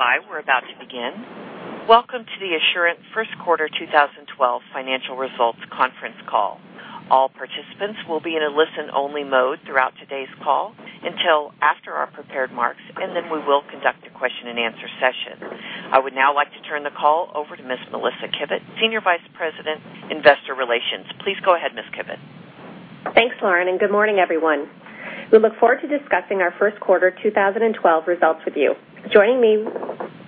Please stand by. We're about to begin. Welcome to the Assurant first quarter 2012 financial results conference call. All participants will be in a listen-only mode throughout today's call until after our prepared remarks, and then we will conduct a question and answer session. I would now like to turn the call over to Ms. Melissa Kivett, Senior Vice President, Investor Relations. Please go ahead, Ms. Kivett. Thanks, Lauren. Good morning, everyone. We look forward to discussing our first quarter 2012 results with you. Joining me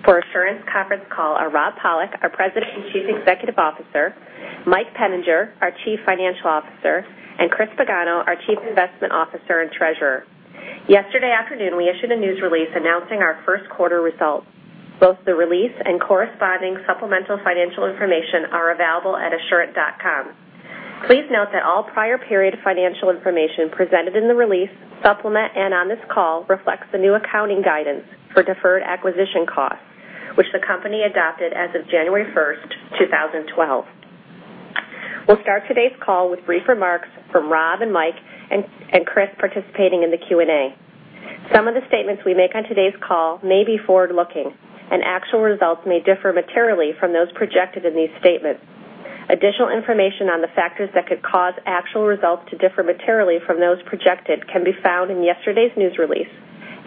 for Assurant's conference call are Rob Pollock, our President and Chief Executive Officer, Mike Peninger, our Chief Financial Officer, and Chris Pagano, our Chief Investment Officer and Treasurer. Yesterday afternoon, we issued a news release announcing our first quarter results. Both the release and corresponding supplemental financial information are available at assurant.com. Please note that all prior period financial information presented in the release, supplement, and on this call reflects the new accounting guidance for deferred acquisition costs, which the company adopted as of January 1st, 2012. We'll start today's call with brief remarks from Rob and Mike, and Chris participating in the Q&A. Some of the statements we make on today's call may be forward-looking, and actual results may differ materially from those projected in these statements. Additional information on the factors that could cause actual results to differ materially from those projected can be found in yesterday's news release,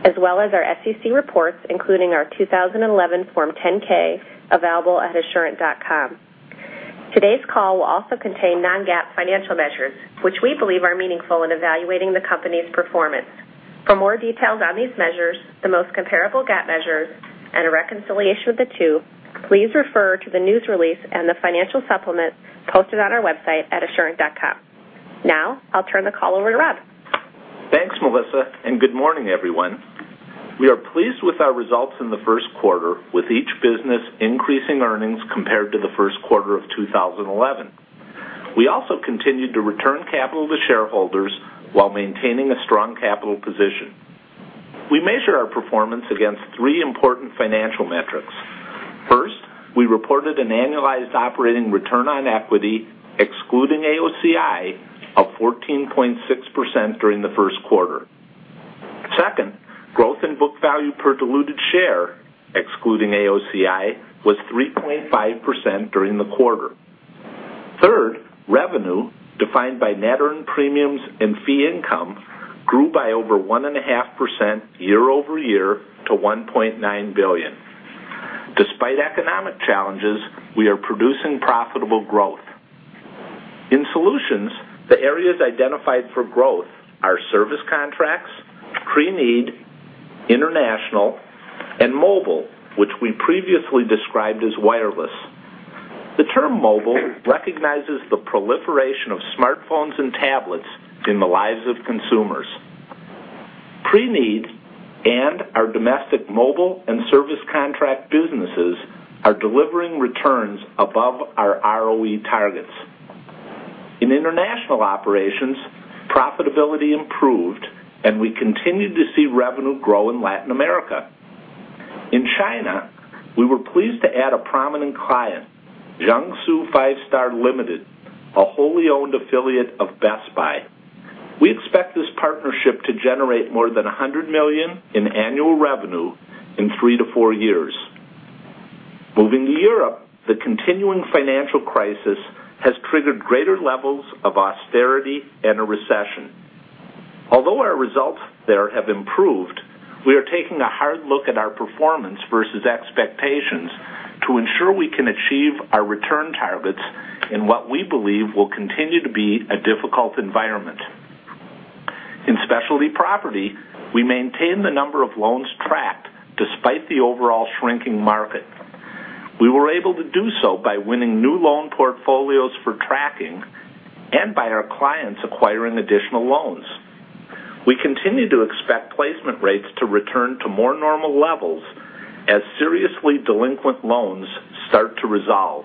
as well as our SEC reports, including our 2011 Form 10-K, available at assurant.com. Today's call will also contain non-GAAP financial measures, which we believe are meaningful in evaluating the company's performance. For more details on these measures, the most comparable GAAP measures, and a reconciliation of the two, please refer to the news release and the financial supplement posted on our website at assurant.com. I'll turn the call over to Rob. Thanks, Melissa. Good morning, everyone. We are pleased with our results in the first quarter, with each business increasing earnings compared to the first quarter of 2011. We also continued to return capital to shareholders while maintaining a strong capital position. We measure our performance against three important financial metrics. First, we reported an annualized operating return on equity, excluding AOCI, of 14.6% during the first quarter. Second, growth in book value per diluted share, excluding AOCI, was 3.5% during the quarter. Third, revenue, defined by net earned premiums and fee income, grew by over 1.5% year-over-year to $1.9 billion. Despite economic challenges, we are producing profitable growth. In Solutions, the areas identified for growth are service contracts, pre-need, international, and mobile, which we previously described as wireless. The term mobile recognizes the proliferation of smartphones and tablets in the lives of consumers. Pre-need and our domestic mobile and service contract businesses are delivering returns above our ROE targets. In international operations, profitability improved, and we continued to see revenue grow in Latin America. In China, we were pleased to add a prominent client, Jiangsu Five Star Appliance, a wholly owned affiliate of Best Buy. We expect this partnership to generate more than $100 million in annual revenue in three to four years. Moving to Europe, the continuing financial crisis has triggered greater levels of austerity and a recession. Although our results there have improved, we are taking a hard look at our performance versus expectations to ensure we can achieve our return targets in what we believe will continue to be a difficult environment. In Specialty Property, we maintain the number of loans tracked despite the overall shrinking market. We were able to do so by winning new loan portfolios for tracking and by our clients acquiring additional loans. We continue to expect placement rates to return to more normal levels as seriously delinquent loans start to resolve.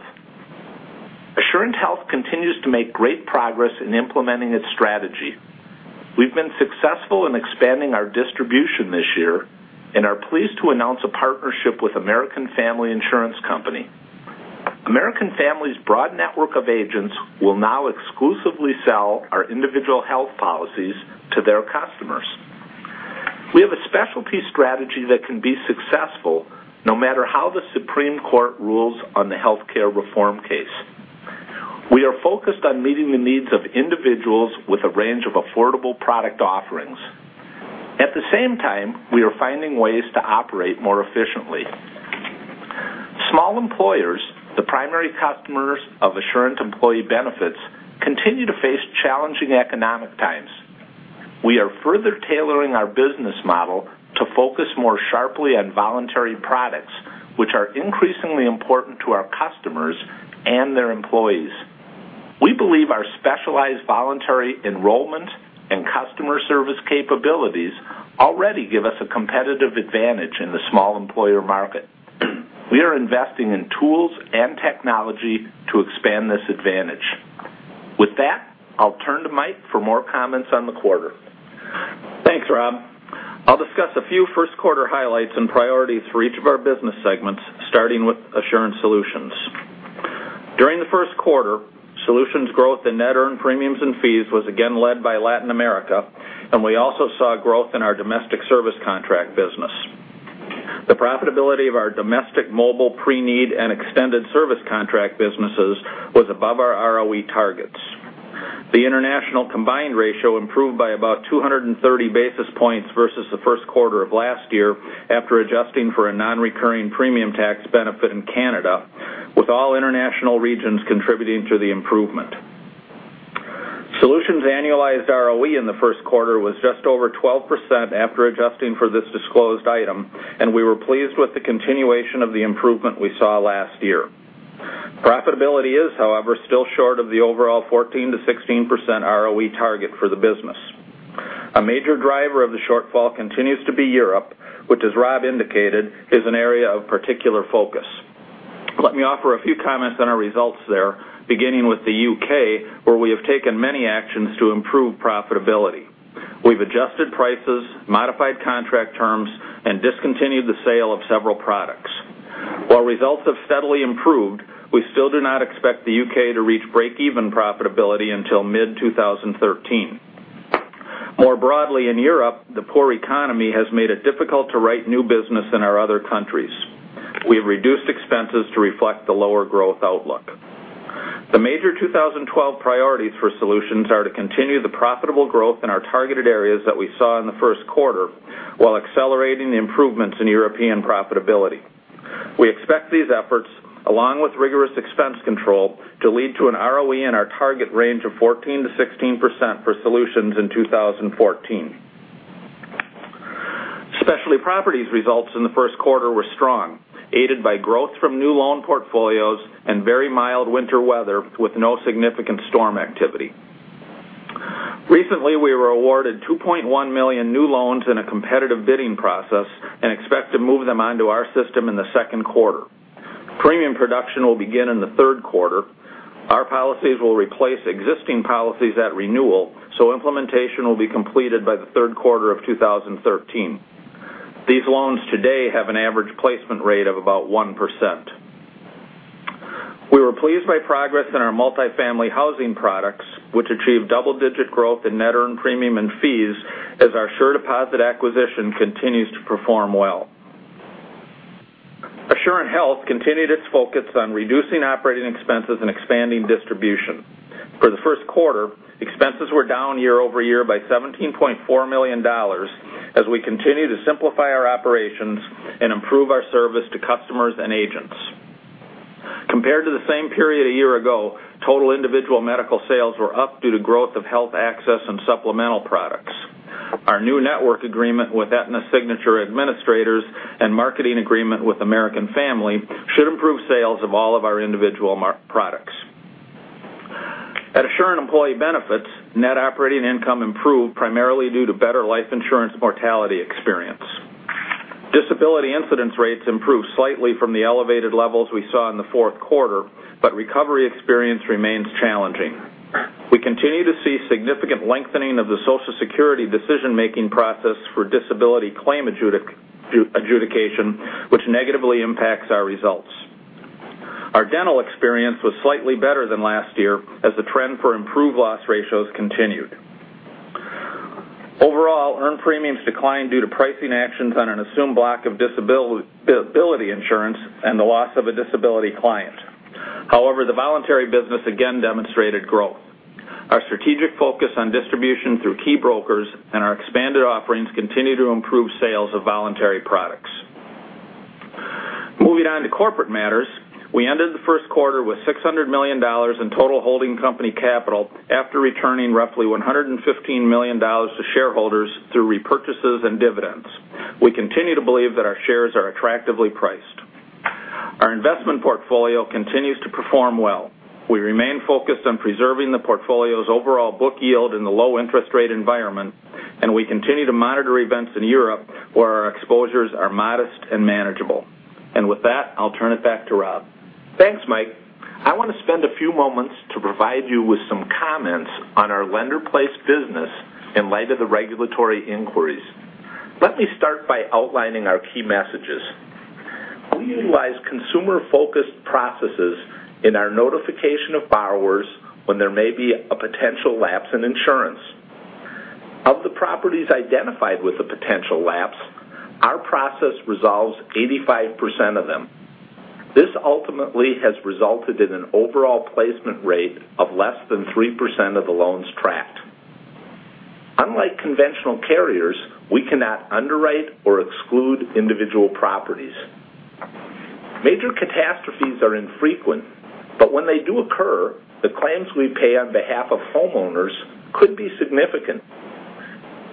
Assurant Health continues to make great progress in implementing its strategy. We've been successful in expanding our distribution this year and are pleased to announce a partnership with American Family Insurance Company. American Family's broad network of agents will now exclusively sell our individual health policies to their customers. We have a specialty strategy that can be successful, no matter how the Supreme Court rules on the healthcare reform case. We are focused on meeting the needs of individuals with a range of affordable product offerings. At the same time, we are finding ways to operate more efficiently. Small employers, the primary customers of Assurant Employee Benefits, continue to face challenging economic times. We are further tailoring our business model to focus more sharply on voluntary products, which are increasingly important to our customers and their employees. We believe our specialized voluntary enrollment and customer service capabilities already give us a competitive advantage in the small employer market. We are investing in tools and technology to expand this advantage. With that, I'll turn to Mike for more comments on the quarter. Thanks, Rob. I'll discuss a few first quarter highlights and priorities for each of our business segments, starting with Assurant Solutions. During the first quarter, Solutions growth in net earned premiums and fees was again led by Latin America, and we also saw growth in our domestic service contract business. The profitability of our domestic mobile Pre-need and extended service contract businesses was above our ROE targets. The international combined ratio improved by about 230 basis points versus the first quarter of last year after adjusting for a non-recurring premium tax benefit in Canada, with all international regions contributing to the improvement. Solutions annualized ROE in the first quarter was just over 12% after adjusting for this disclosed item, and we were pleased with the continuation of the improvement we saw last year. Profitability is, however, still short of the overall 14%-16% ROE target for the business. A major driver of the shortfall continues to be Europe, which as Rob indicated, is an area of particular focus. Let me offer a few comments on our results there, beginning with the U.K., where we have taken many actions to improve profitability. We've adjusted prices, modified contract terms, and discontinued the sale of several products. While results have steadily improved, we still do not expect the U.K. to reach break-even profitability until mid-2013. More broadly, in Europe, the poor economy has made it difficult to write new business in our other countries. We have reduced expenses to reflect the lower growth outlook. The major 2012 priorities for Solutions are to continue the profitable growth in our targeted areas that we saw in the first quarter, while accelerating the improvements in European profitability. We expect these efforts, along with rigorous expense control, to lead to an ROE in our target range of 14%-16% for Solutions in 2014. Specialty Property results in the first quarter were strong, aided by growth from new loan portfolios and very mild winter weather with no significant storm activity. Recently, we were awarded 2.1 million new loans in a competitive bidding process and expect to move them onto our system in the second quarter. Premium production will begin in the third quarter. Our policies will replace existing policies at renewal, so implementation will be completed by the third quarter of 2013. These loans today have an average placement rate of about 1%. We were pleased by progress in our multifamily housing products, which achieved double-digit growth in net earned premium and fees as our SureDeposit acquisition continues to perform well. Assurant Health continued its focus on reducing operating expenses and expanding distribution. For the first quarter, expenses were down year-over-year by $17.4 million as we continue to simplify our operations and improve our service to customers and agents. Compared to the same period a year ago, total individual medical sales were up due to growth of Health Access and supplemental products. Our new network agreement with Aetna Signature Administrators and marketing agreement with American Family should improve sales of all of our individual products. At Assurant Employee Benefits, net operating income improved primarily due to better life insurance mortality experience. Disability incidence rates improved slightly from the elevated levels we saw in the fourth quarter, but recovery experience remains challenging. We continue to see significant lengthening of the Social Security decision-making process for disability claim adjudication, which negatively impacts our results. Our dental experience was slightly better than last year as the trend for improved loss ratios continued. Overall, earned premiums declined due to pricing actions on an assumed block of disability insurance and the loss of a disability client. The voluntary business again demonstrated growth. Our strategic focus on distribution through key brokers and our expanded offerings continue to improve sales of voluntary products. Moving on to corporate matters, we ended the first quarter with $600 million in total holding company capital after returning roughly $115 million to shareholders through repurchases and dividends. We continue to believe that our shares are attractively priced. Our investment portfolio continues to perform well. We remain focused on preserving the portfolio's overall book yield in the low interest rate environment, and we continue to monitor events in Europe, where our exposures are modest and manageable. With that, I'll turn it back to Rob. Thanks, Mike. I want to spend a few moments to provide you with some comments on our Lender-Placed business in light of the regulatory inquiries. Let me start by outlining our key messages. We utilize consumer-focused processes in our notification of borrowers when there may be a potential lapse in insurance. Of the properties identified with a potential lapse, our process resolves 85% of them. This ultimately has resulted in an overall placement rate of less than 3% of the loans tracked. Unlike conventional carriers, we cannot underwrite or exclude individual properties. Major catastrophes are infrequent, but when they do occur, the claims we pay on behalf of homeowners could be significant.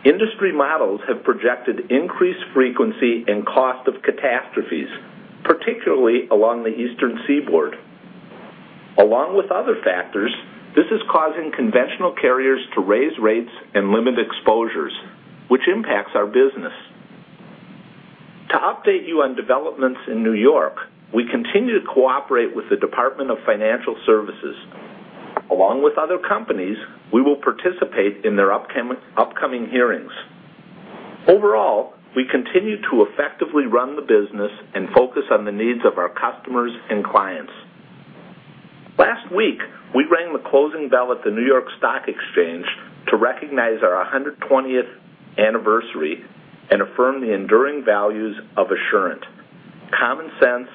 Industry models have projected increased frequency and cost of catastrophes, particularly along the Eastern Seaboard. With other factors, this is causing conventional carriers to raise rates and limit exposures, which impacts our business. To update you on developments in New York, we continue to cooperate with the Department of Financial Services. With other companies, we will participate in their upcoming hearings. Overall, we continue to effectively run the business and focus on the needs of our customers and clients. Last week, we rang the closing bell at the New York Stock Exchange to recognize our 120th anniversary and affirm the enduring values of Assurant, common sense,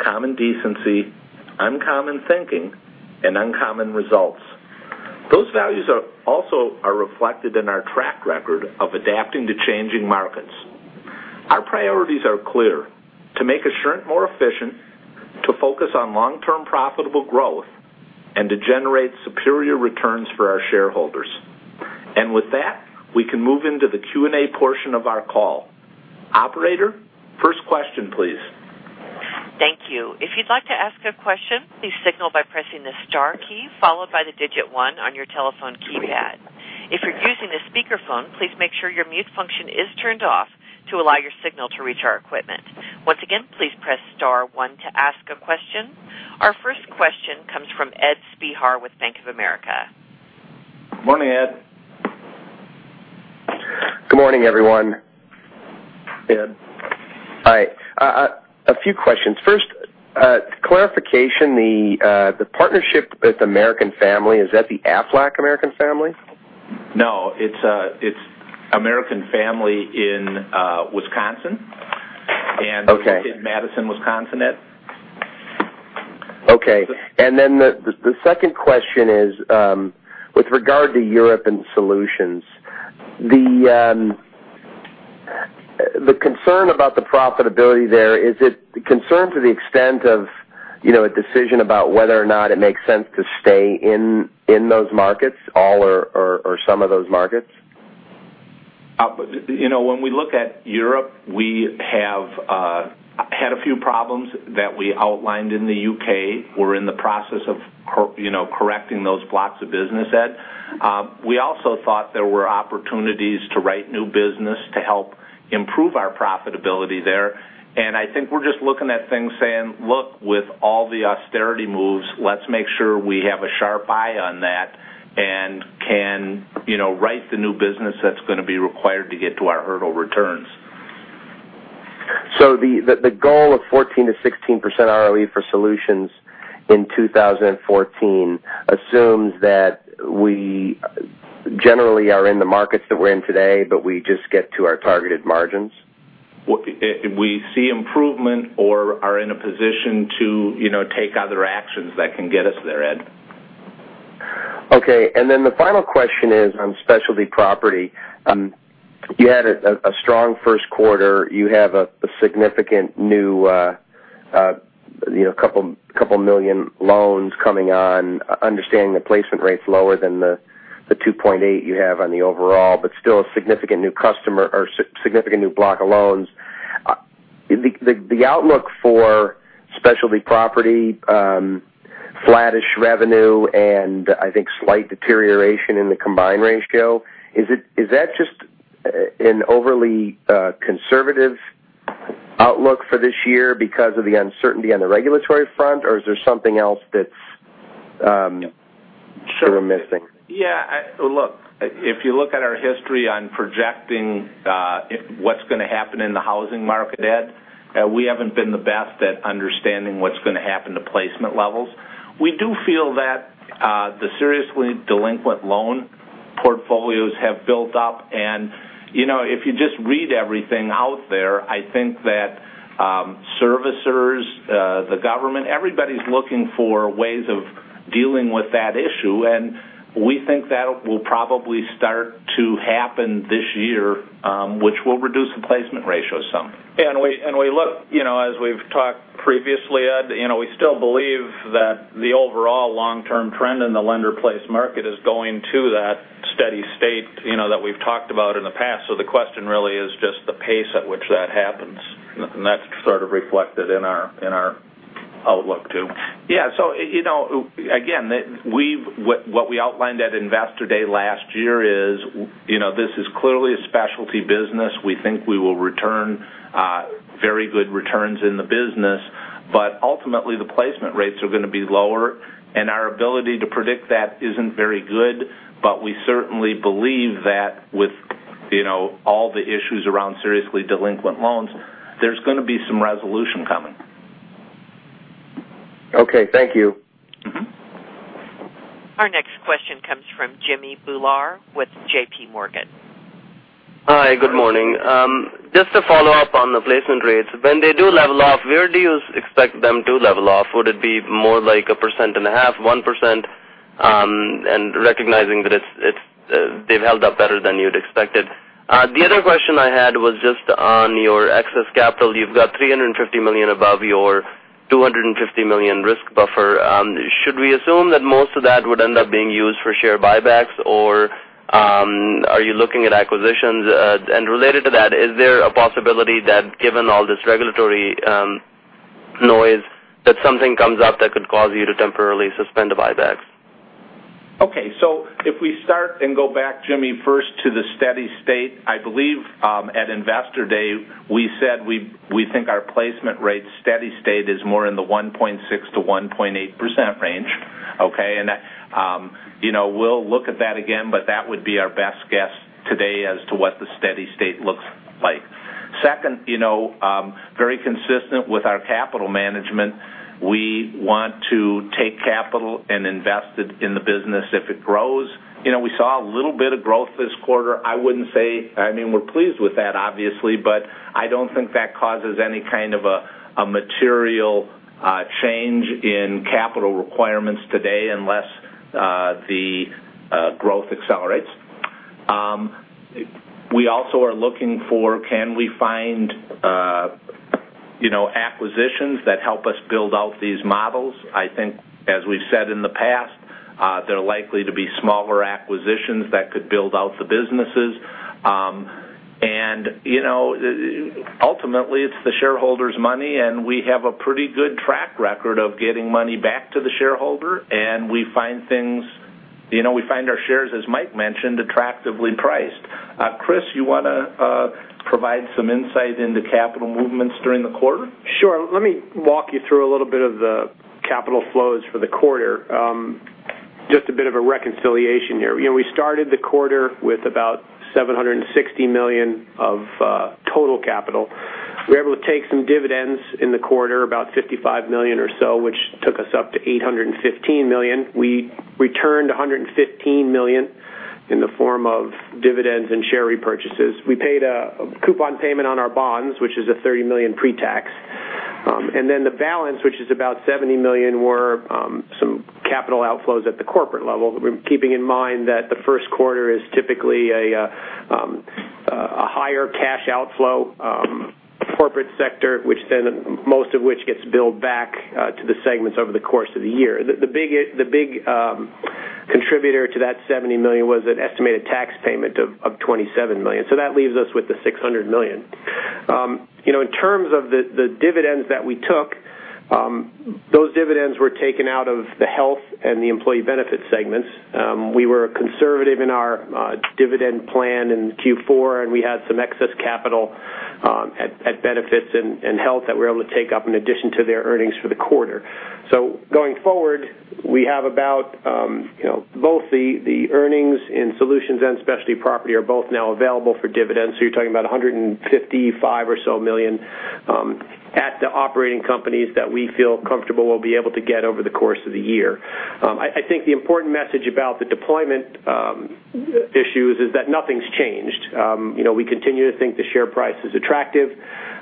common decency, uncommon thinking, and uncommon results. Those values are also reflected in our track record of adapting to changing markets. Our priorities are clear: to make Assurant more efficient, to focus on long-term profitable growth, and to generate superior returns for our shareholders. With that, we can move into the Q&A portion of our call. Operator, first question, please. Thank you. If you'd like to ask a question, please signal by pressing the star key, followed by the digit one on your telephone keypad. If you're using a speakerphone, please make sure your mute function is turned off to allow your signal to reach our equipment. Once again, please press star one to ask a question. Our first question comes from Ed Spehar with Bank of America. Morning, Ed. Good morning, everyone. Ed. Hi. A few questions. First, clarification, the partnership with American Family, is that the Aflac American Family? No, it's American Family in Wisconsin. Okay. In Madison, Wisconsin, Ed. Okay. The second question is, with regard to Europe and Solutions, the concern about the profitability there, is it concern to the extent of a decision about whether or not it makes sense to stay in those markets, all or some of those markets? When we look at Europe, we have had a few problems that we outlined in the U.K. We're in the process of correcting those blocks of business, Ed. We also thought there were opportunities to write new business to help improve our profitability there, and I think we're just looking at things saying, look, with all the austerity moves, let's make sure we have a sharp eye on that and can write the new business that's going to be required to get to our hurdle returns. The goal of 14%-16% ROE for Solutions in 2014 assumes that we generally are in the markets that we're in today, but we just get to our targeted margins? We see improvement or are in a position to take other actions that can get us there, Ed. Okay, the final question is on Specialty Property. You had a strong first quarter. You have a significant new couple million loans coming on, understanding the placement rate's lower than the 2.8 you have on the overall, but still a significant new block of loans. The outlook for Specialty Property, flattish revenue, and I think slight deterioration in the combined ratio, is that just an overly conservative outlook for this year because of the uncertainty on the regulatory front, or is there something else that's sort of missing? Yeah, look, if you look at our history on projecting what's going to happen in the housing market, Ed, we haven't been the best at understanding what's going to happen to placement levels. We do feel that the seriously delinquent loan portfolios have built up, if you just read everything out there, I think that servicers, the government, everybody's looking for ways of dealing with that issue. We think that will probably start to happen this year, which will reduce the placement ratio some. We look, as we've talked previously, Ed, we still believe that the overall long-term trend in the Lender-Placed market is going to that steady state that we've talked about in the past. The question really is just the pace at which that happens. That's sort of reflected in our outlook, too. Yeah. Again, what we outlined at Investor Day last year is this is clearly a specialty business. We think we will return very good returns in the business, ultimately, the placement rates are going to be lower, and our ability to predict that isn't very good. We certainly believe that with all the issues around seriously delinquent loans, there's going to be some resolution coming. Okay. Thank you. Our next question comes from Jimmy Bhullar with J.P. Morgan. Hi. Good morning. Just to follow up on the placement rates, when they do level off, where do you expect them to level off? Would it be more like 1.5%, 1%, and recognizing that they've held up better than you'd expected? The other question I had was just on your excess capital. You've got $350 million above your $250 million risk buffer. Should we assume that most of that would end up being used for share buybacks, or are you looking at acquisitions? Related to that, is there a possibility that given all this regulatory noise, that something comes up that could cause you to temporarily suspend the buybacks? If we start and go back, Jimmy, first to the steady state, I believe at Investor Day, we said we think our placement rate steady state is more in the 1.6%-1.8% range, okay? We'll look at that again, but that would be our best guess today as to what the steady state looks like. Second, very consistent with our capital management, we want to take capital and invest it in the business if it grows. We saw a little bit of growth this quarter. We're pleased with that, obviously, but I don't think that causes any kind of a material change in capital requirements today unless the growth accelerates. We also are looking for can we find acquisitions that help us build out these models. I think as we've said in the past, they're likely to be smaller acquisitions that could build out the businesses. Ultimately, it's the shareholders' money, and we have a pretty good track record of getting money back to the shareholder, and we find our shares, as Mike mentioned, attractively priced. Chris, you want to provide some insight into capital movements during the quarter? Sure. Let me walk you through a little bit of the capital flows for the quarter. Just a bit of a reconciliation here. We started the quarter with about $760 million of total capital. We were able to take some dividends in the quarter, about $55 million or so, which took us up to $815 million. We returned $115 million in the form of dividends and share repurchases. We paid a coupon payment on our bonds, which is a $30 million pre-tax. The balance, which is about $70 million, were some capital outflows at the corporate level. Keeping in mind that the first quarter is typically a higher cash outflow corporate sector, most of which gets billed back to the segments over the course of the year. The big contributor to that $70 million was an estimated tax payment of $27 million. That leaves us with the $600 million. In terms of the dividends that we took, those dividends were taken out of the Health and the Employee Benefits segments. We were conservative in our dividend plan in Q4, and we had some excess capital at Employee Benefits and Health that we were able to take up in addition to their earnings for the quarter. Going forward, we have about both the earnings in Solutions and Specialty Property are both now available for dividends. You're talking about $155 or so million at the operating companies that we feel comfortable we'll be able to get over the course of the year. I think the important message about the deployment issues is that nothing's changed. We continue to think the share price is attractive.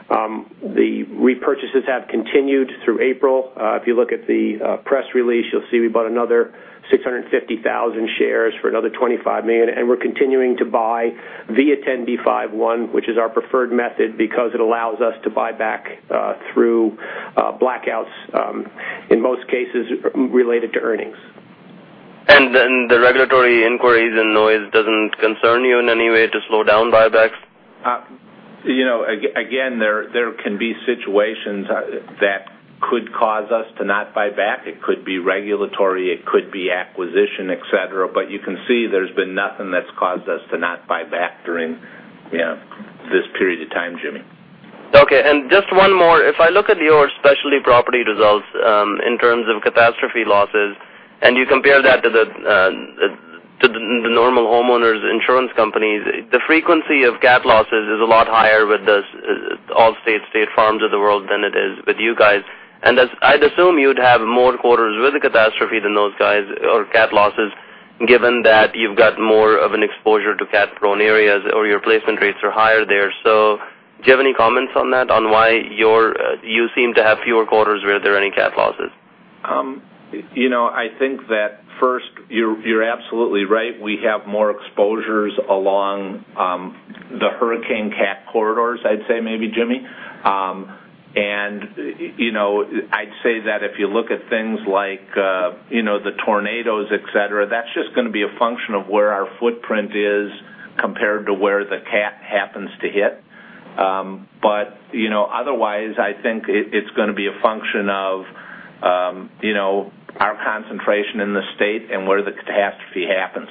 The repurchases have continued through April. If you look at the press release, you'll see we bought another 650,000 shares for another $25 million, and we're continuing to buy via Rule 10b5-1, which is our preferred method because it allows us to buy back through blackouts, in most cases, related to earnings. The regulatory inquiries and noise doesn't concern you in any way to slow down buybacks? Again, there can be situations that could cause us to not buy back. It could be regulatory, it could be acquisition, et cetera, but you can see there's been nothing that's caused us to not buy back during this period of time, Jimmy. Okay. Just one more. If I look at your Specialty Property results in terms of catastrophe losses, and you compare that to the normal homeowners' insurance companies, the frequency of cat losses is a lot higher with the Allstate, State Farm of the world than it is with you guys. I'd assume you'd have more quarters with a catastrophe than those guys, or cat losses, given that you've got more of an exposure to cat-prone areas, or your placement rates are higher there. Do you have any comments on that, on why you seem to have fewer quarters where there are any cat losses? I think that first, you're absolutely right. We have more exposures along the hurricane cat corridors, I'd say maybe, Jimmy. I'd say that if you look at things like the tornadoes, et cetera, that's just going to be a function of where our footprint is compared to where the cat happens to hit. Otherwise, I think it's going to be a function of our concentration in the state and where the catastrophe happens.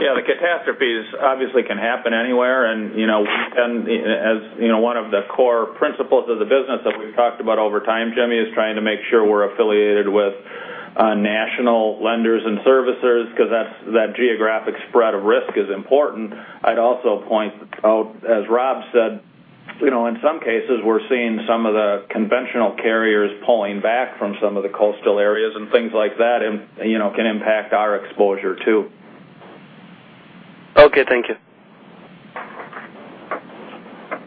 Yeah, the catastrophes obviously can happen anywhere. As one of the core principles of the business that we've talked about over time, Jimmy, is trying to make sure we're affiliated with national lenders and servicers because that geographic spread of risk is important. I'd also point out, as Rob said, in some cases, we're seeing some of the conventional carriers pulling back from some of the coastal areas. Things like that can impact our exposure, too. Okay, thank you.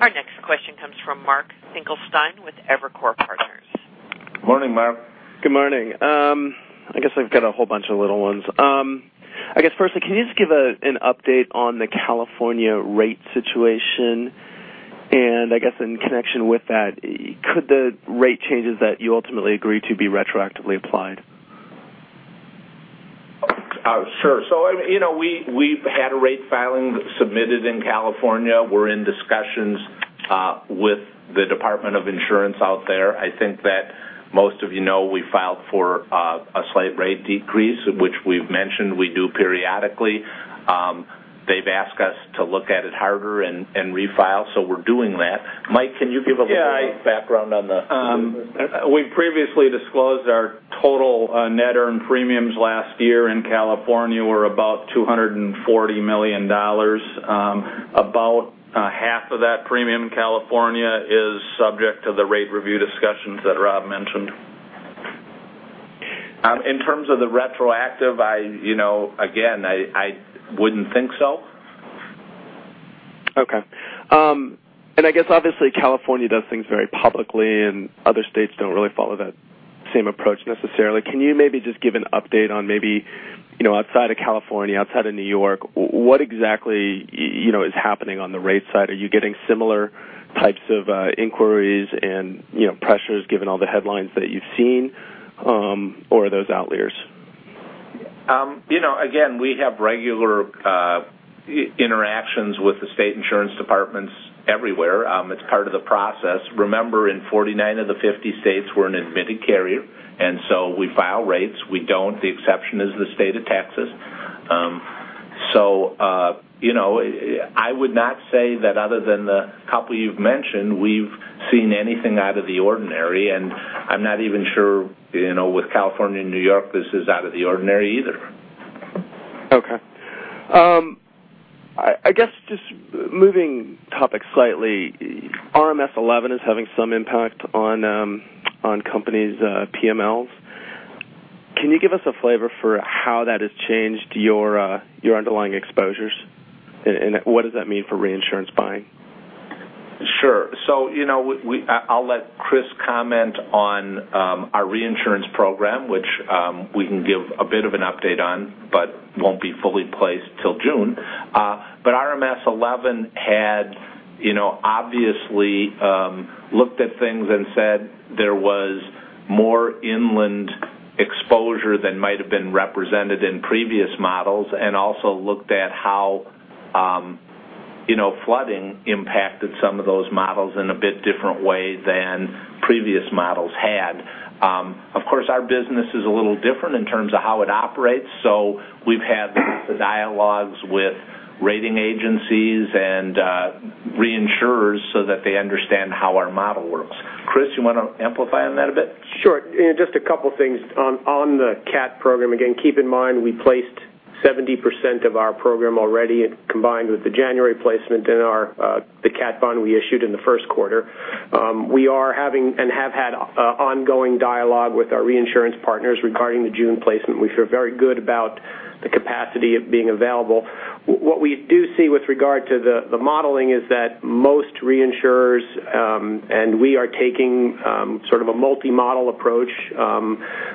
Our next question comes from Mark Finkelstein with Evercore Partners. Morning, Mark. Good morning. I guess I've got a whole bunch of little ones. I guess firstly, can you just give an update on the California rate situation? I guess in connection with that, could the rate changes that you ultimately agree to be retroactively applied? Sure. We've had a rate filing submitted in California. We're in discussions with the Department of Insurance out there. I think that most of you know we filed for a slight rate decrease, which we've mentioned we do periodically. They've asked us to look at it harder and refile. We're doing that. Mike, can you give a little- Yeah. Background on the- We previously disclosed our total net earned premiums last year in California were about $240 million. About half of that premium in California is subject to the rate review discussions that Rob mentioned. In terms of the retroactive, again, I wouldn't think so. Okay. I guess obviously California does things very publicly, other states don't really follow that same approach necessarily. Can you maybe just give an update on maybe outside of California, outside of New York, what exactly is happening on the rate side? Are you getting similar types of inquiries and pressures given all the headlines that you've seen, or are those outliers? Again, we have regular interactions with the state insurance departments everywhere. It's part of the process. Remember, in 49 of the 50 states, we're an admitted carrier, we file rates. The exception is the state of Texas. I would not say that other than the couple you've mentioned, we've seen anything out of the ordinary, I'm not even sure with California and New York, this is out of the ordinary either. Okay. I guess just moving topic slightly, RMS v11 is having some impact on companies' PMLs. Can you give us a flavor for how that has changed your underlying exposures? What does that mean for reinsurance buying? Sure. I'll let Chris comment on our reinsurance program, which we can give a bit of an update on but won't be fully placed till June. RMS v11 had obviously looked at things and said there was more inland exposure than might've been represented in previous models and also looked at how flooding impacted some of those models in a bit different way than previous models had. Of course, our business is a little different in terms of how it operates, so we've had the dialogues with rating agencies and reinsurers so that they understand how our model works. Chris, you want to amplify on that a bit? Sure. Just a couple things on the cat program. Again, keep in mind we placed 70% of our program already combined with the January placement and the cat bond we issued in the first quarter. We are having and have had ongoing dialogue with our reinsurance partners regarding the June placement. We feel very good about the capacity of being available. What we do see with regard to the modeling is that most reinsurers, and we are taking sort of a multi-model approach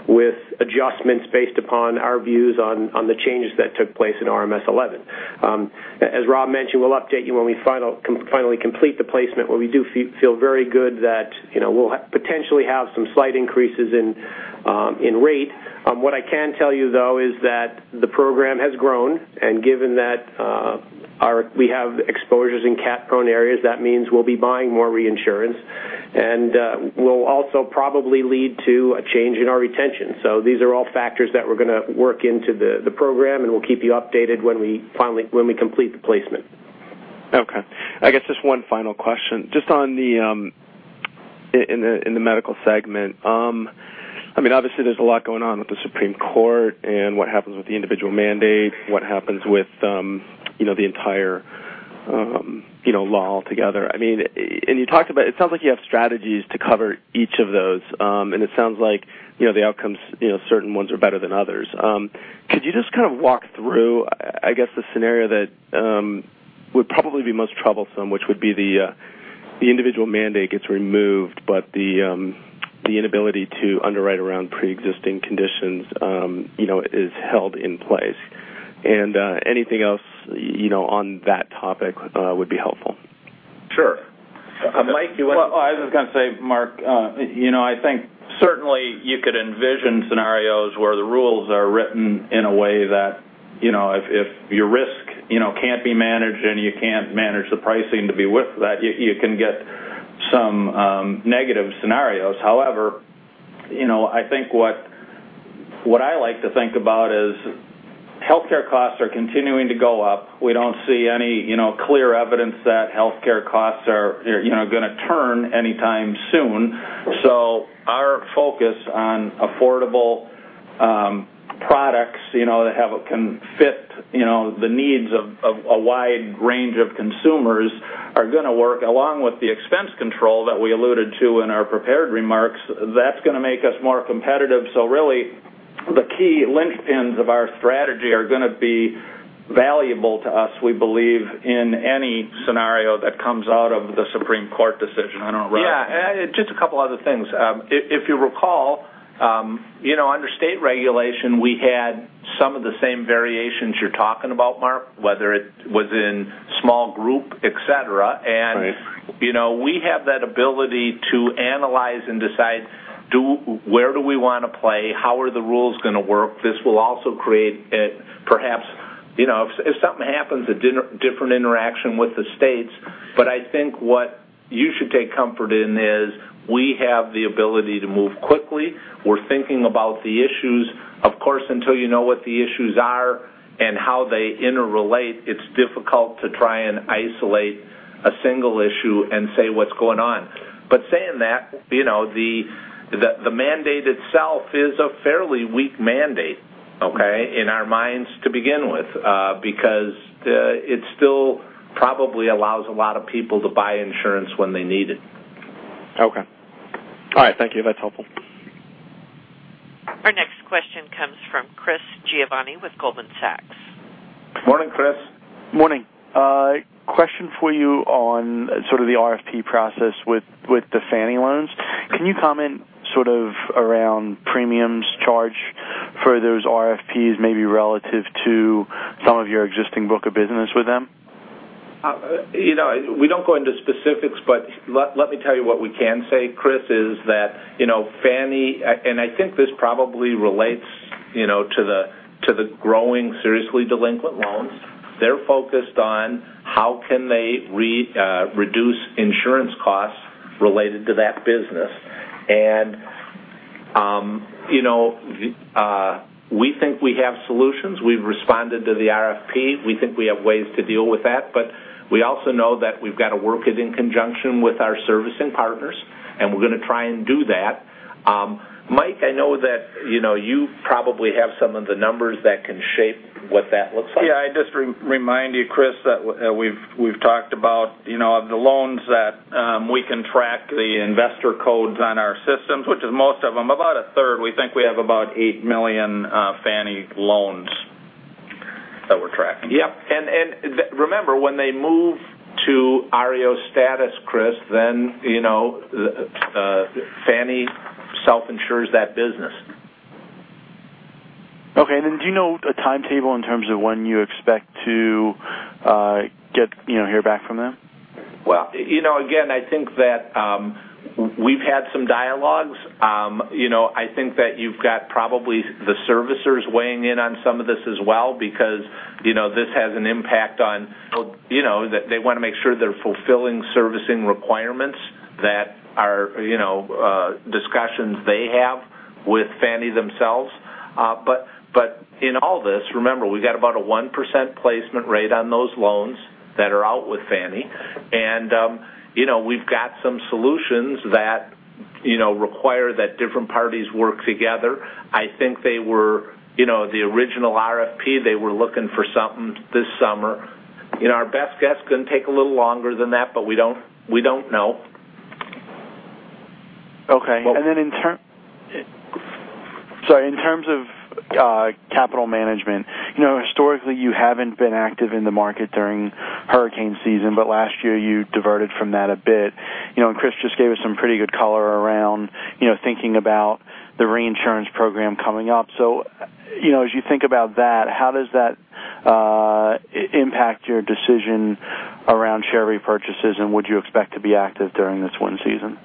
with adjustments based upon our views on the changes that took place in RMS v11. As Rob mentioned, we'll update you when we finally complete the placement where we do feel very good that we'll potentially have some slight increases in rate. What I can tell you though is that the program has grown, and given that we have exposures in cat-prone areas, that means we'll be buying more reinsurance, and will also probably lead to a change in our retention. These are all factors that we're going to work into the program, and we'll keep you updated when we complete the placement. I guess just one final question. Just in the medical segment. Obviously, there's a lot going on with the Supreme Court and what happens with the individual mandate, what happens with the entire law altogether. It sounds like you have strategies to cover each of those, and it sounds like the outcomes, certain ones are better than others. Could you just kind of walk through, I guess, the scenario that would probably be most troublesome, which would be the individual mandate gets removed, but the inability to underwrite around preexisting conditions is held in place? Anything else on that topic would be helpful. Sure. Mike, you want- Well, I was just going to say, Mark, I think certainly you could envision scenarios where the rules are written in a way that if your risk can't be managed and you can't manage the pricing to be with that, you can get some negative scenarios. However, I think what I like to think about is healthcare costs are continuing to go up. We don't see any clear evidence that healthcare costs are going to turn anytime soon. Our focus on affordable products that can fit the needs of a wide range of consumers are going to work along with the expense control that we alluded to in our prepared remarks. That's going to make us more competitive. Really, the key linchpins of our strategy are going to be valuable to us, we believe, in any scenario that comes out of the Supreme Court decision. I don't know, Rob. Yeah. Just a couple other things. If you recall, under state regulation, we had some of the same variations you're talking about, Mark, whether it was in small group, et cetera. Right. We have that ability to analyze and decide where do we want to play, how are the rules going to work. This will also create perhaps, if something happens, a different interaction with the states. I think what you should take comfort in is we have the ability to move quickly. We're thinking about the issues. Of course, until you know what the issues are and how they interrelate, it's difficult to try and isolate a single issue and say what's going on. Saying that, the mandate itself is a fairly weak mandate, okay, in our minds to begin with, because it still probably allows a lot of people to buy insurance when they need it. Okay. All right. Thank you. That's helpful. Our next question comes from Chris Giovanni with Goldman Sachs. Morning, Chris. Morning. Question for you on sort of the RFP process with the Fannie loans. Can you comment sort of around premiums charged for those RFPs, maybe relative to some of your existing book of business with them? We don't go into specifics. Let me tell you what we can say, Chris, is that Fannie, and I think this probably relates to the growing seriously delinquent loans. They're focused on how can they reduce insurance costs related to that business. We think we have solutions. We've responded to the RFP. We think we have ways to deal with that, but we also know that we've got to work it in conjunction with our servicing partners. We're going to try and do that. Mike, I know that you probably have some of the numbers that can shape what that looks like. Yeah. I'd just remind you, Chris, that we've talked about the loans that we can track the investor codes on our systems, which is most of them. About a third, we think we have about 8 million Fannie loans that we're tracking. Yep. Remember, when they move to REO status, Chris, then Fannie self-insures that business. Okay, then do you know a timetable in terms of when you expect to hear back from them? Well, again, I think that we've had some dialogues. I think that you've got probably the servicers weighing in on some of this as well because this has an impact on that they want to make sure they're fulfilling servicing requirements that are discussions they have with Fannie themselves. In all this, remember, we've got about a 1% placement rate on those loans that are out with Fannie. We've got some solutions that require that different parties work together. I think they were the original RFP. They were looking for something this summer. Our best guess, going to take a little longer than that, but we don't know. Okay. Sorry. In terms of capital management, historically, you haven't been active in the market during hurricane season, but last year, you diverted from that a bit. Chris just gave us some pretty good color around thinking about the reinsurance program coming up. As you think about that, how does that impact your decision around share repurchases, and would you expect to be active during this wind season?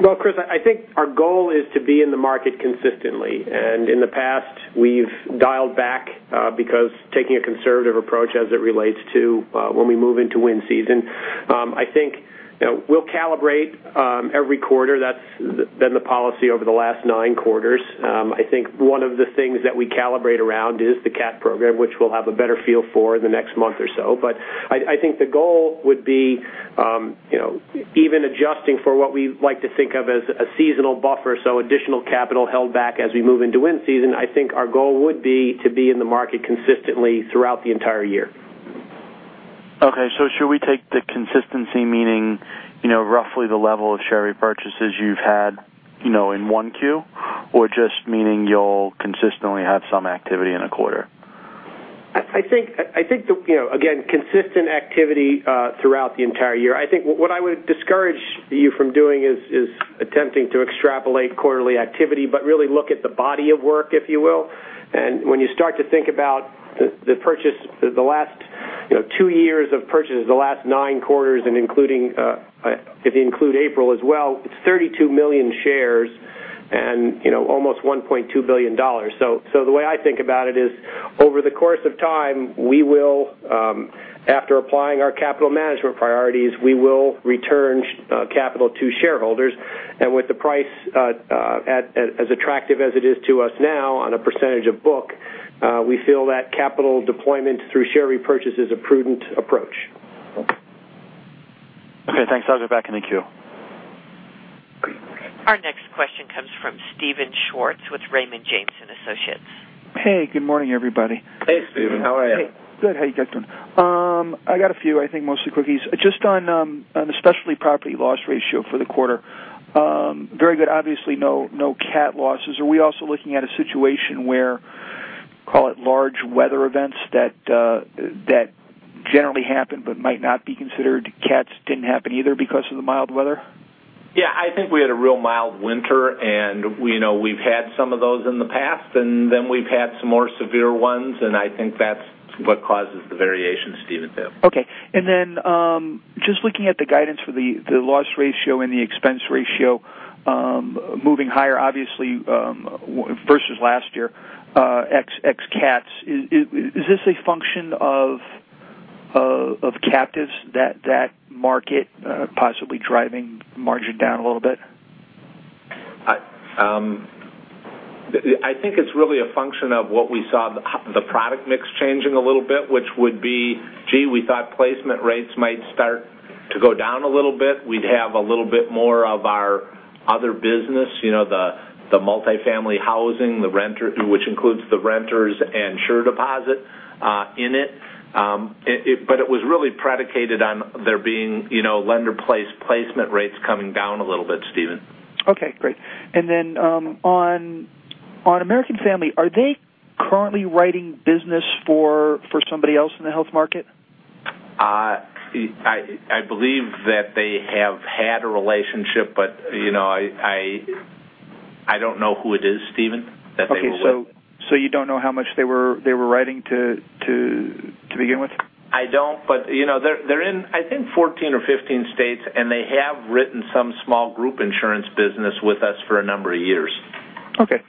Well, Chris, I think our goal is to be in the market consistently. In the past, we've dialed back because taking a conservative approach as it relates to when we move into wind season. I think we'll calibrate every quarter. That's been the policy over the last nine quarters. I think one of the things that we calibrate around is the cat program, which we'll have a better feel for in the next month or so. I think the goal would be even adjusting for what we like to think of as a seasonal buffer, so additional capital held back as we move into wind season. I think our goal would be to be in the market consistently throughout the entire year. Okay. Should we take the consistency meaning roughly the level of share repurchases you've had in 1Q or just meaning you'll consistently have some activity in a quarter? I think, again, consistent activity throughout the entire year. I think what I would discourage you from doing is attempting to extrapolate quarterly activity, but really look at the body of work, if you will. When you start to think about the last two years of purchases, the last nine quarters, and if you include April as well, it's 32 million shares and almost $1.2 billion. The way I think about it is, over the course of time, after applying our capital management priorities, we will return capital to shareholders. With the price as attractive as it is to us now on a percentage of book, we feel that capital deployment through share repurchase is a prudent approach. Okay. Thanks. I'll go back in the queue. Our next question comes from Steven Schwartz with Raymond James & Associates. Hey, good morning, everybody. Hey, Steven. How are you? Good. How you guys doing? I got a few, I think mostly quickies. Just on the Specialty Property loss ratio for the quarter. Very good. Obviously, no cat losses. Are we also looking at a situation where, call it large weather events that generally happen but might not be considered cats didn't happen either because of the mild weather? Yeah, I think we had a real mild winter. We've had some of those in the past. Then we've had some more severe ones, and I think that's what causes the variation, Steven. Okay. Then just looking at the guidance for the loss ratio and the expense ratio. Moving higher, obviously, versus last year, ex cats. Is this a function of captives, that market possibly driving margin down a little bit? I think it's really a function of what we saw the product mix changing a little bit, which would be, we thought placement rates might start to go down a little bit. We'd have a little bit more of our other business, the multifamily housing, which includes the renters and SureDeposit in it. It was really predicated on there being Lender-Placed placement rates coming down a little bit, Steven. Okay, great. Then, on American Family, are they currently writing business for somebody else in the health market? I believe that they have had a relationship, but I don't know who it is, Steven, that they were with. Okay. You don't know how much they were writing to begin with? I don't, but they're in, I think, 14 or 15 states, and they have written some small group insurance business with us for a number of years. Okay.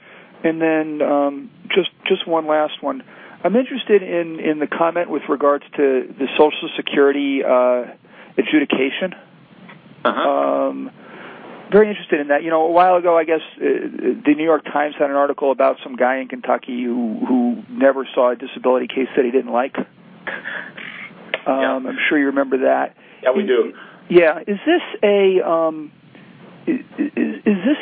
Just one last one. I'm interested in the comment with regards to the Social Security adjudication. Very interested in that. A while ago, I guess, The New York Times had an article about some guy in Kentucky who never saw a disability case that he didn't like. Yeah. I'm sure you remember that. Yeah, we do. Yeah. Is this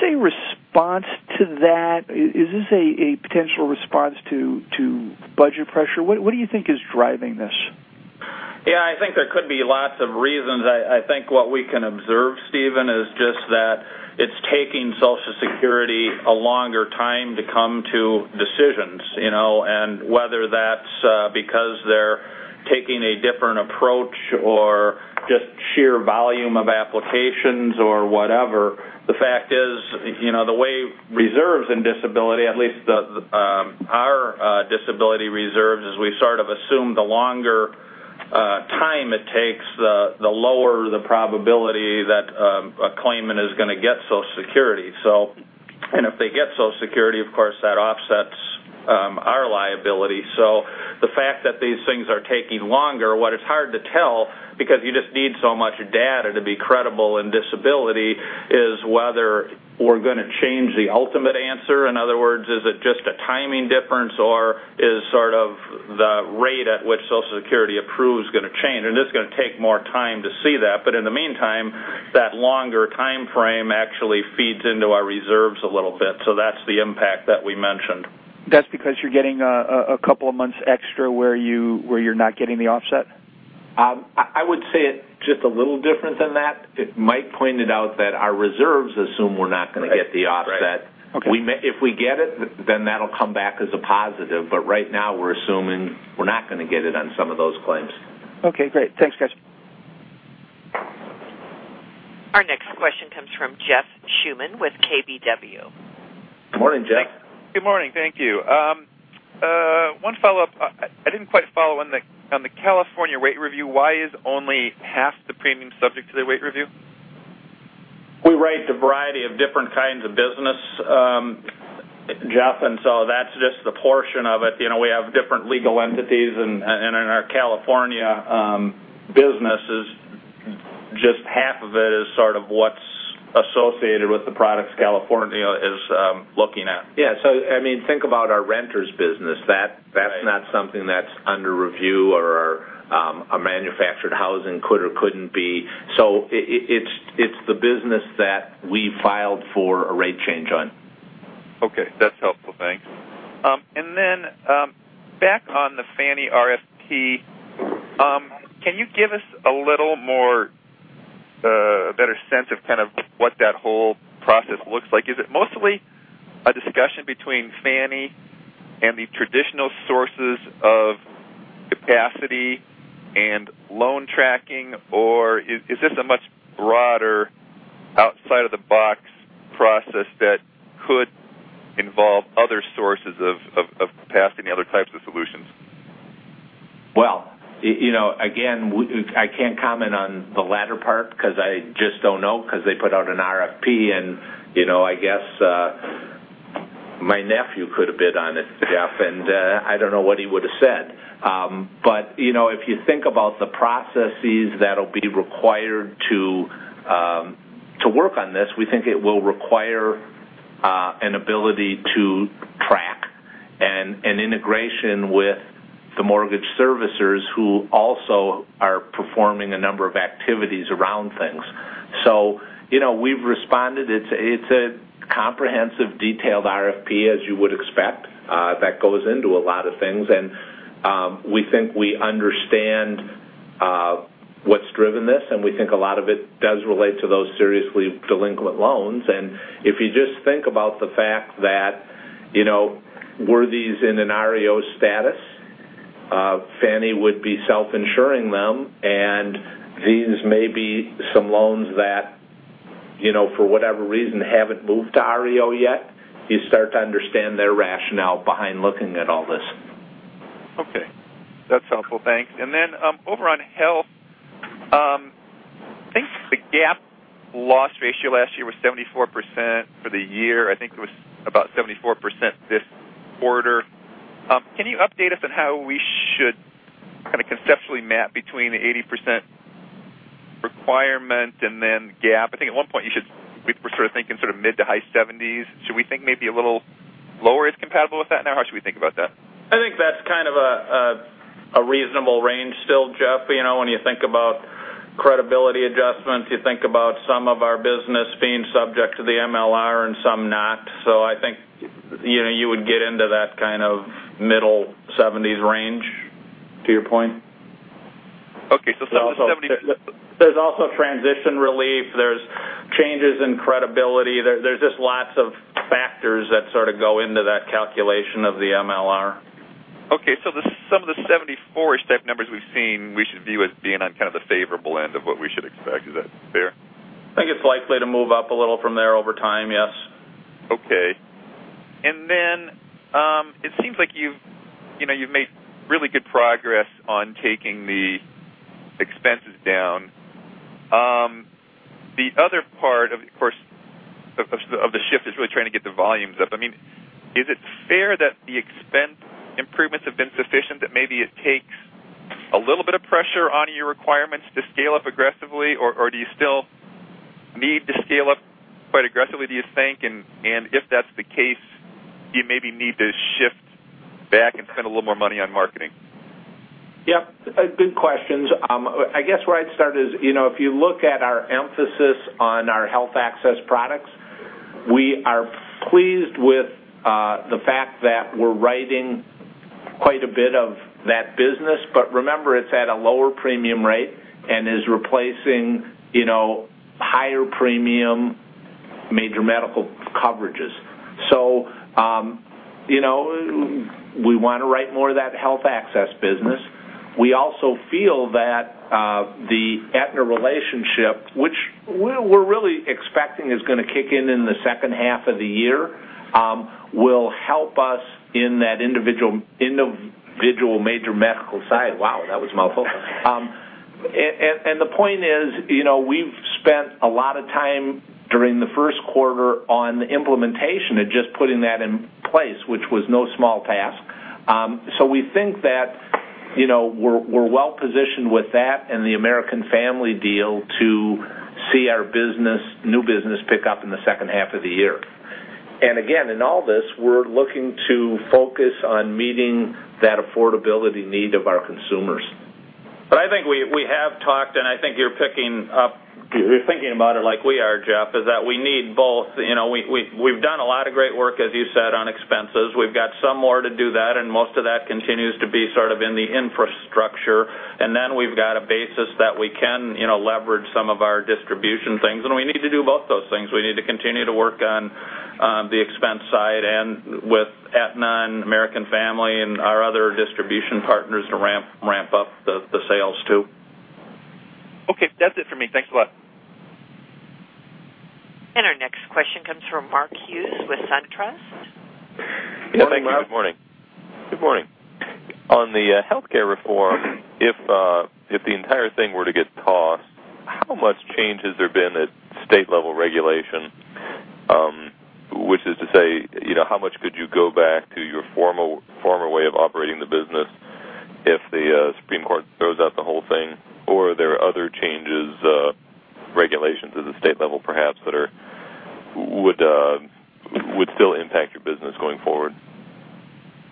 a response to that? Is this a potential response to budget pressure? What do you think is driving this? Yeah, I think there could be lots of reasons. I think what we can observe, Steven, is just that it's taking Social Security a longer time to come to decisions. Whether that's because they're taking a different approach or just sheer volume of applications or whatever, the fact is, the way reserves and disability, at least our disability reserves, is we sort of assume the longer time it takes, the lower the probability that a claimant is going to get Social Security. If they get Social Security, of course, that offsets our liability. The fact that these things are taking longer, what is hard to tell, because you just need so much data to be credible in disability, is whether we're going to change the ultimate answer. In other words, is it just a timing difference, or is sort of the rate at which Social Security approves going to change? It's going to take more time to see that. In the meantime, that longer timeframe actually feeds into our reserves a little bit. That's the impact that we mentioned. That's because you're getting a couple of months extra where you're not getting the offset? I would say it just a little different than that. Mike pointed out that our reserves assume we're not going to get the offset. Right. Okay. If we get it, then that'll come back as a positive. Right now, we're assuming we're not going to get it on some of those claims. Okay, great. Thanks, guys. Our next question comes from Jeff Schuman with KBW. Good morning, Jeff. Good morning. Thank you. One follow-up. I didn't quite follow on the California rate review. Why is only half the premium subject to the rate review? We write a variety of different kinds of business, Jeff. That's just the portion of it. We have different legal entities. In our California businesses, just half of it is sort of what's associated with the products California is looking at. Yeah. Think about our renters business. That's Right Not something that's under review or our manufactured housing could or couldn't be. It's the business that we filed for a rate change on. Okay. That's helpful. Thanks. Then, back on the Fannie RFP, can you give us a little more, a better sense of kind of what that whole process looks like? Is it mostly a discussion between Fannie and the traditional sources of capacity and loan tracking, or is this a much broader, outside of the box process that could involve other sources of capacity and other types of solutions? Well, again, I can't comment on the latter part because I just don't know, because they put out an RFP and I guess my nephew could have bid on it, Jeff, and I don't know what he would've said. If you think about the processes that'll be required to work on this, we think it will require an ability to track and an integration with the mortgage servicers who also are performing a number of activities around things. We've responded. It's a comprehensive, detailed RFP, as you would expect, that goes into a lot of things, and we think we understand what's driven this, and we think a lot of it does relate to those seriously delinquent loans. If you just think about the fact that, were these in an REO status, Fannie would be self-insuring them, and these may be some loans that, for whatever reason, haven't moved to REO yet. You start to understand their rationale behind looking at all this. Okay. That's helpful. Thanks. Then over on health, I think the GAAP loss ratio last year was 74% for the year. I think it was about 74% this quarter. Can you update us on how we should conceptually map between the 80% requirement and then GAAP? I think at one point, we were thinking mid to high 70s. Should we think maybe a little lower is compatible with that now? How should we think about that? I think that's kind of a reasonable range still, Jeff. When you think about credibility adjustments, you think about some of our business being subject to the MLR and some not. I think you would get into that kind of middle 70s range, to your point. Okay. There's also transition relief. There's changes in credibility. There's just lots of factors that sort of go into that calculation of the MLR. Okay. Some of the 74-ish type numbers we've seen, we should view as being on kind of the favorable end of what we should expect. Is that fair? I think it's likely to move up a little from there over time, yes. Okay. Then, it seems like you've made really good progress on taking the expenses down. The other part, of course, of the shift is really trying to get the volumes up. Is it fair that the expense improvements have been sufficient that maybe it takes a little bit of pressure on your requirements to scale up aggressively, or do you still need to scale up quite aggressively, do you think? If that's the case, do you maybe need to shift back and spend a little more money on marketing? Yep. Good questions. I guess where I'd start is, if you look at our emphasis on our Health Access products, we are pleased with the fact that we're writing quite a bit of that business. Remember, it's at a lower premium rate and is replacing higher premium major medical coverages. We want to write more of that Health Access business. We also feel that the Aetna relationship, which we're really expecting is going to kick in in the second half of the year, will help us in that individual major medical side. Wow, that was mouth open. The point is, we've spent a lot of time during the first quarter on the implementation of just putting that in place, which was no small task. We think that we're well-positioned with that and the American Family deal to see our new business pick up in the second half of the year. Again, in all this, we're looking to focus on meeting that affordability need of our consumers. I think we have talked, and I think you're thinking about it like we are, Jeff, is that we need both. We've done a lot of great work, as you said, on expenses. We've got some more to do that, and most of that continues to be sort of in the infrastructure. Then we've got a basis that we can leverage some of our distribution things. We need to do both those things. We need to continue to work on the expense side and with Aetna and American Family and our other distribution partners to ramp up the sales, too. Okay. That's it for me. Thanks a lot. Our next question comes from Mark Hughes with SunTrust. Morning, Mark. Good morning. Good morning. On the healthcare reform, if the entire thing were to get tossed, how much change has there been at state-level regulation? Which is to say, how much could you go back to your former way of operating the business if the Supreme Court throws out the whole thing? Are there other changes, regulations at the state level, perhaps, that would still impact your business going forward?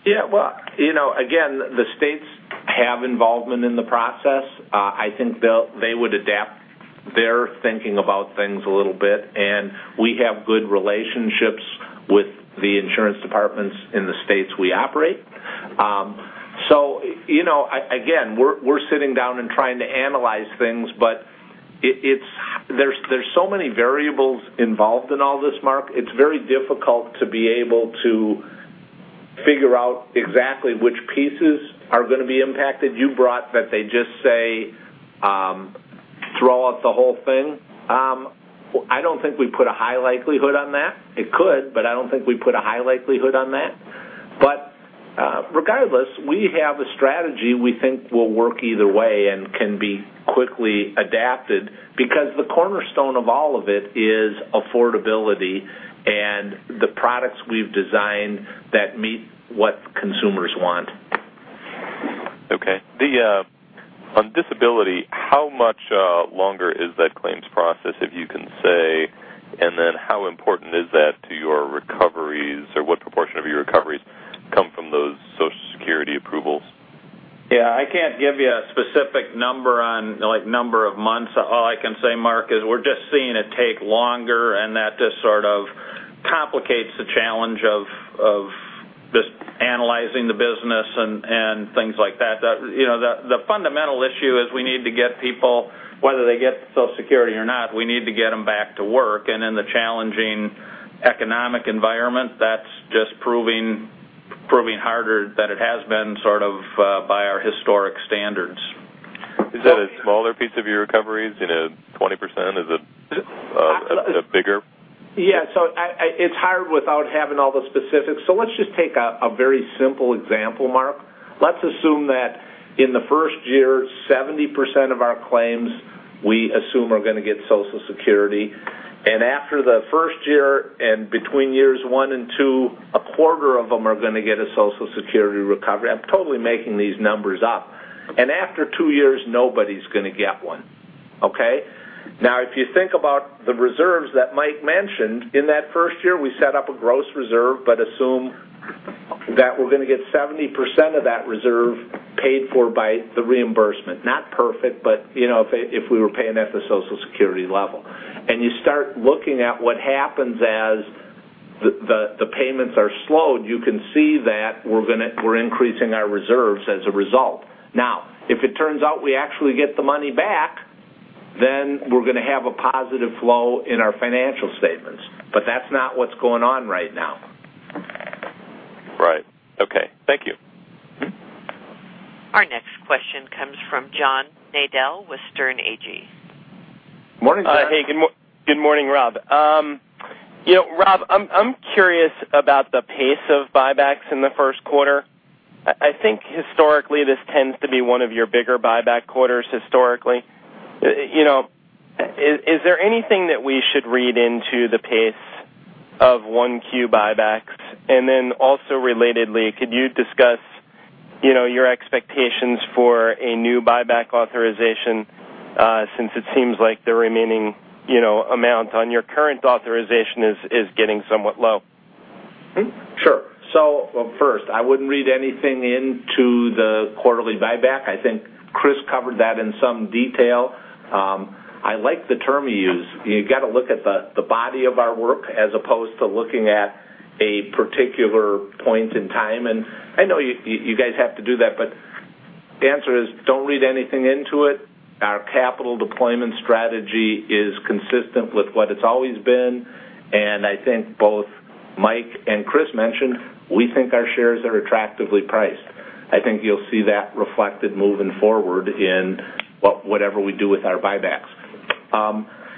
Yeah. Well, again, the states have involvement in the process. I think they would adapt their thinking about things a little bit. We have good relationships with the insurance departments in the states we operate. Again, we're sitting down and trying to analyze things, but there's so many variables involved in all this, Mark. It's very difficult to be able to figure out exactly which pieces are going to be impacted. You brought that they just say, "Throw out the whole thing." I don't think we put a high likelihood on that. It could, but I don't think we put a high likelihood on that. Regardless, we have a strategy we think will work either way and can be quickly adapted, because the cornerstone of all of it is affordability and the products we've designed that meet what consumers want. Okay. On disability, how much longer is that claims process, if you can say, and then how important is that to your recoveries, or what proportion of your recoveries come from those Social Security approvals? I can't give you a specific number on number of months. All I can say, Mark, is we're just seeing it take longer, and that just sort of complicates the challenge of just analyzing the business and things like that. The fundamental issue is we need to get people, whether they get Social Security or not, we need to get them back to work. In the challenging economic environment, that's just proving harder than it has been sort of Other piece of your recoveries, 20%? Is it bigger? It's hard without having all the specifics. Let's just take a very simple example, Mark. Let's assume that in the first year, 70% of our claims we assume are going to get Social Security. After the first year, and between years one and two, a quarter of them are going to get a Social Security recovery. I'm totally making these numbers up. After two years, nobody's going to get one. If you think about the reserves that Mike mentioned, in that first year, we set up a gross reserve, but assume that we're going to get 70% of that reserve paid for by the reimbursement. Not perfect, but if we were paying at the Social Security level. You start looking at what happens as the payments are slowed, you can see that we're increasing our reserves as a result. If it turns out we actually get the money back, then we're going to have a positive flow in our financial statements. That's not what's going on right now. Right. Okay. Thank you. Our next question comes from John Nadel with Sterne Agee. Morning, John. Hey. Good morning, Rob. Rob, I'm curious about the pace of buybacks in the first quarter. I think historically, this tends to be one of your bigger buyback quarters historically. Is there anything that we should read into the pace of 1Q buybacks? Also relatedly, could you discuss your expectations for a new buyback authorization, since it seems like the remaining amount on your current authorization is getting somewhat low? First, I wouldn't read anything into the quarterly buyback. I think Chris covered that in some detail. I like the term you use. You've got to look at the body of our work as opposed to looking at a particular point in time. I know you guys have to do that, but the answer is, don't read anything into it. Our capital deployment strategy is consistent with what it's always been, I think both Mike and Chris mentioned, we think our shares are attractively priced. I think you'll see that reflected moving forward in whatever we do with our buybacks.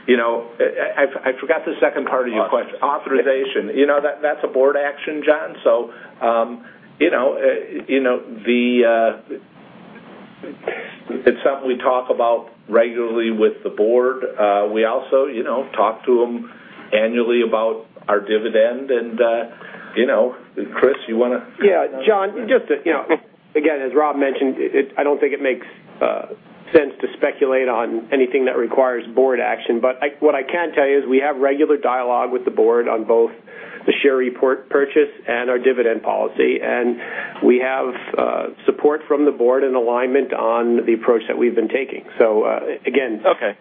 I forgot the second part of your question. Authorization. Authorization. That's a board action, John. It's something we talk about regularly with the board. We also talk to them annually about our dividend and, Chris, you want to. Yeah. John, again, as Rob mentioned, I don't think it makes sense to speculate on anything that requires board action. What I can tell you is we have regular dialogue with the board on both the share repurchase and our dividend policy. We have support from the board and alignment on the approach that we've been taking. Again. Okay.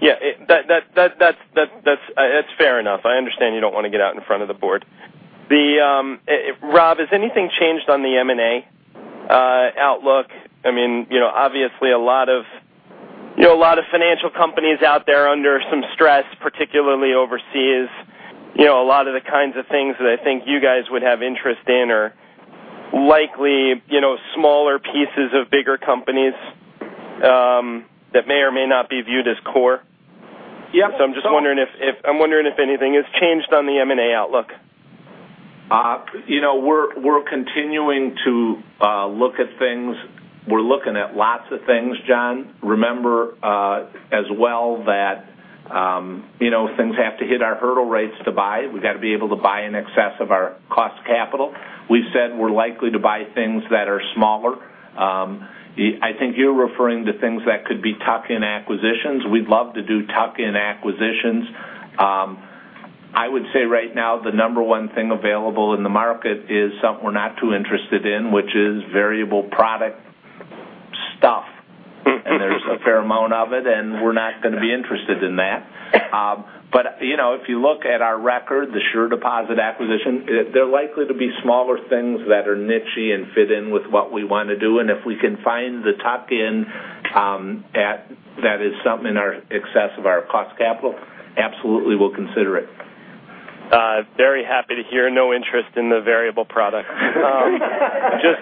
Yeah. That's fair enough. I understand you don't want to get out in front of the board. Rob, has anything changed on the M&A outlook? A lot of financial companies out there under some stress, particularly overseas. A lot of the kinds of things that I think you guys would have interest in are likely smaller pieces of bigger companies that may or may not be viewed as core. Yeah. I'm just wondering if anything has changed on the M&A outlook. We're continuing to look at things. We're looking at lots of things, John. Remember as well that things have to hit our hurdle rates to buy. We've got to be able to buy in excess of our cost capital. We said we're likely to buy things that are smaller. I think you're referring to things that could be tuck-in acquisitions. We'd love to do tuck-in acquisitions. I would say right now, the number 1 thing available in the market is something we're not too interested in, which is variable product stuff. There's a fair amount of it, and we're not going to be interested in that. If you look at our record, the SureDeposit acquisition, they're likely to be smaller things that are niche-y and fit in with what we want to do. If we can find the tuck-in that is something in excess of our cost capital, absolutely we'll consider it. Very happy to hear no interest in the variable product.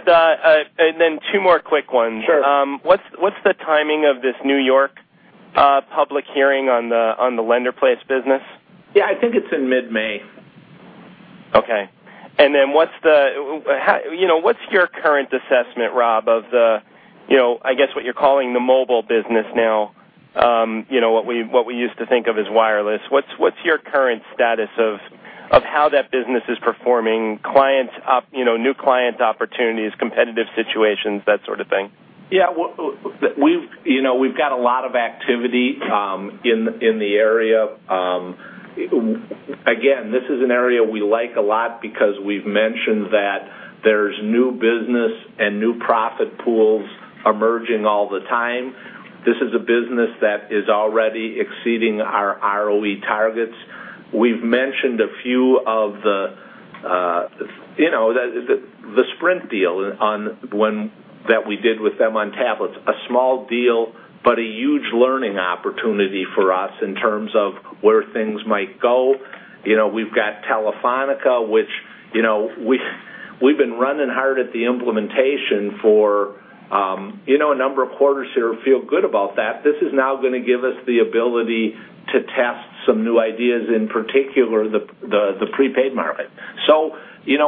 Then two more quick ones. Sure. What's the timing of this New York public hearing on the Lender-Placed business? Yeah, I think it's in mid-May. Okay. What's your current assessment, Rob, of the, I guess what you're calling the mobile business now, what we used to think of as wireless. What's your current status of how that business is performing, new client opportunities, competitive situations, that sort of thing? Yeah. We've got a lot of activity in the area. Again, this is an area we like a lot because we've mentioned that there's new business and new profit pools emerging all the time. This is a business that is already exceeding our ROE targets. We've mentioned a few of the Sprint deal that we did with them on tablets. A small deal, but a huge learning opportunity for us in terms of where things might go. We've got Telefónica, which we've been running hard at the implementation for a number of quarters here, feel good about that. This is now going to give us the ability to test some new ideas, in particular, the prepaid market.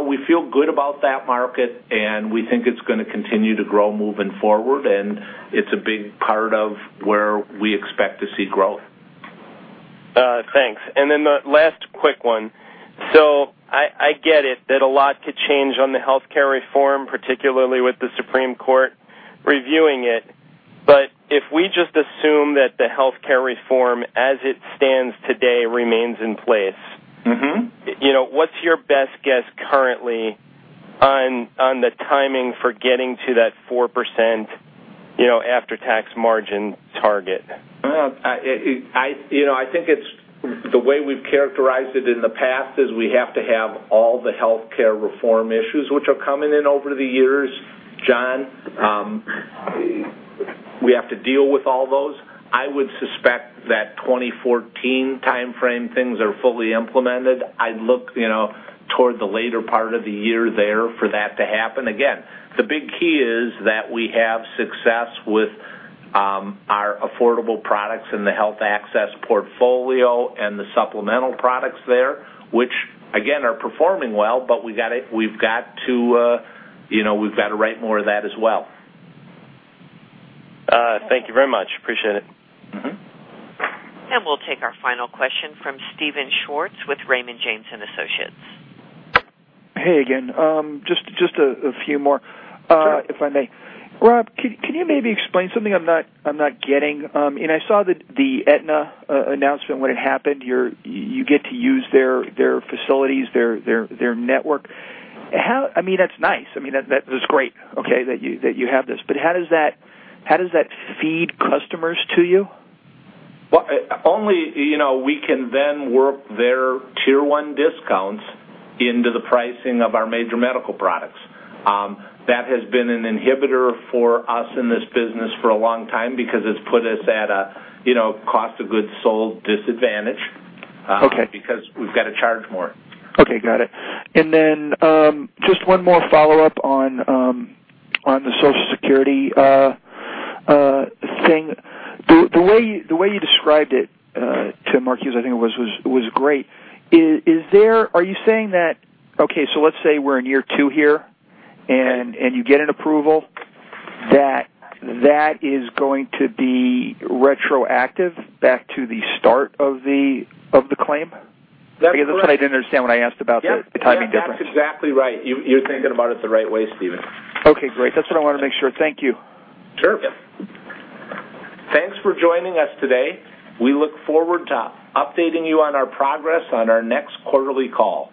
We feel good about that market, and we think it's going to continue to grow moving forward, and it's a big part of where we expect to see growth. Thanks. The last quick one. I get it that a lot could change on the healthcare reform, particularly with the Supreme Court reviewing it. If we just assume that the healthcare reform, as it stands today, remains in place. What's your best guess currently on the timing for getting to that 4% after-tax margin target? I think it's the way we've characterized it in the past is we have to have all the healthcare reform issues, which are coming in over the years, John. We have to deal with all those. I would suspect that 2014 timeframe, things are fully implemented. I'd look toward the later part of the year there for that to happen. The big key is that we have success with our affordable products in the Health Access portfolio and the supplemental products there, which, again, are performing well, but we've got to write more of that as well. Thank you very much. Appreciate it. We'll take our final question from Steven Schwartz with Raymond James & Associates. Hey, again. Just a few more. Sure If I may. Rob, can you maybe explain something I'm not getting? I saw the Aetna announcement when it happened. You get to use their facilities, their network. That's nice. That's great, okay, that you have this. How does that feed customers to you? Only we can then work their Tier 1 discounts into the pricing of our major medical products. That has been an inhibitor for us in this business for a long time because it's put us at a cost of goods sold disadvantage. Okay because we've got to charge more. Okay, got it. Then just one more follow-up on the Social Security thing. The way you described it, to Mark Hughes, I think it was great. Are you saying that, okay, so let's say we're in year two here, and you get an approval, that that is going to be retroactive back to the start of the claim? That's correct. That's what I didn't understand when I asked about the timing difference. Yeah. That's exactly right. You're thinking about it the right way, Steven. Okay, great. That's what I wanted to make sure. Thank you. Sure. Thanks for joining us today. We look forward to updating you on our progress on our next quarterly call.